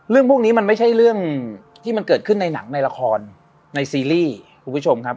เรื่องพวกนี้มันไม่ใช่เรื่องที่มันเกิดขึ้นในหนังในละครในซีรีส์คุณผู้ชมครับ